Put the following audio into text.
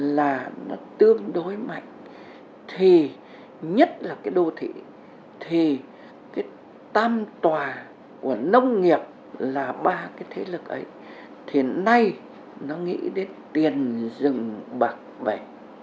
là nó tương đối mạnh thì nhất là cái đô thị thì cái tam tòa của nông nghiệp là ba cái thế lực ấy thì nay nó nghĩ đến tiền rừng bạc bể